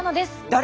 誰？